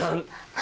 何？